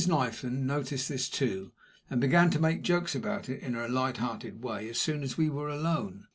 Knifton noticed this too, and began to make jokes about it, in her light hearted way, as soon as we were alone.